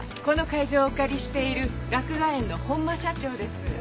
この会場をお借りしている洛雅苑の本間社長です。